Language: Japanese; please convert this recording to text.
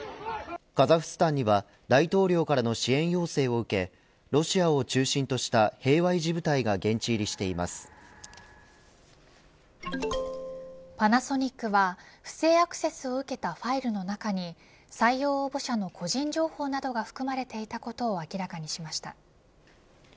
カザフスタンには大統領からの支援要請を受けロシアを中心とした平和維持部隊がパナソニックは不正アクセスを受けたファイルの中に採用応募者の個人情報などが含まれていたことを明らかにしました。